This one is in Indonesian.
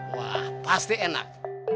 wah pasti enak